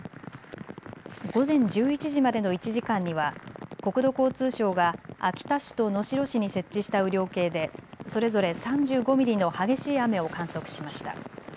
午前１１時までの１時間には国土交通省が秋田市と能代市に設置した雨量計でそれぞれ３５ミリの激しい雨を観測しました。